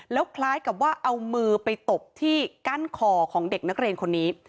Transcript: แล้วคล้ายกับว่าเอามือไปตบที่กั้นคอของเด็กนักเรียนคนนี้